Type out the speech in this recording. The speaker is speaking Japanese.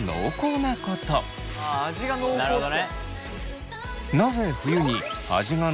なるほどね。